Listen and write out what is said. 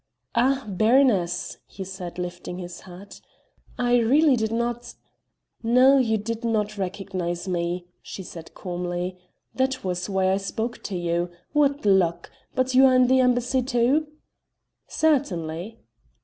"Ah, baroness!" he said lifting his hat, "I really did not ..." "No, you did not recognize me," she said calmly, "that was why I spoke to you. What luck! But you are in the embassy too?" "Certainly."